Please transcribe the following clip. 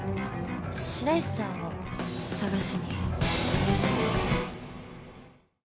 白石さんを捜しに。